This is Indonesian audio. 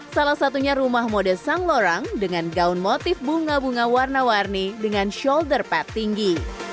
salah satunya rumah mode sang lorang dengan gaun motif bunga bunga warna warni dengan shoulder pad tinggi